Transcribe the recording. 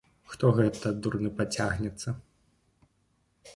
Хто гэта дурны пацягнецца!